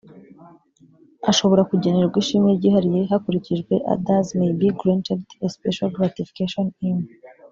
ashobora kugenerwa ishimwe ryihariye hakurikijwe others may be granted a special gratification in